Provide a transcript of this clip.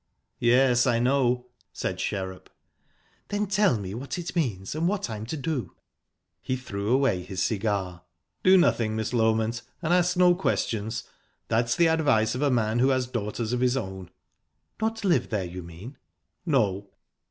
"Yes, I know," said Sherrup. "Then tell me what it means, and what I'm to do." He threw away his cigar. "Do nothing, Miss Loment, and ask no questions. That's the advice of a man who has daughters of his own." "Not live there, you mean?" "No."